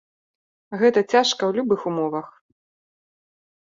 Гэта цяжка ў любых умовах.